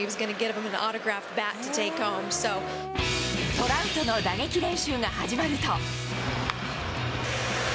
トラウトの打撃練習が始まると。